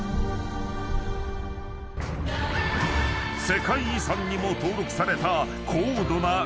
［世界遺産にも登録された］